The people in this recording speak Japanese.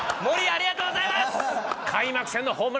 ありがとうございます！